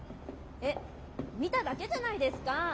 えっ見ただけじゃないですかぁ。